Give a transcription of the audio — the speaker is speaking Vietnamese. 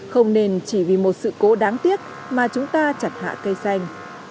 không nên chỉ vì một sự cố đáng tiếc mà chúng ta chặt hạ cây xanh